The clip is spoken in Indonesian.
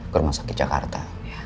ke rumah sakit jakarta